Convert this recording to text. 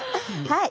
はい。